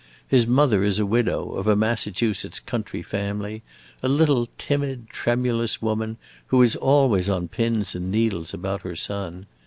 His mother is a widow, of a Massachusetts country family, a little timid, tremulous woman, who is always on pins and needles about her son.